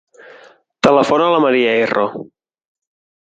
Telefona a la Maria Erro.